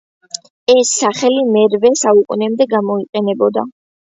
ეს სახელი მერვე საუკუნემდე გამოიყენებოდა.